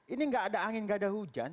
ini tidak ada angin tidak ada hujan